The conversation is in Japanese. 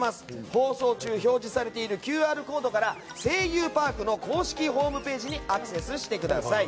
放送中、表示されているＱＲコードから「声優パーク」の公式ホームページにアクセスしてください。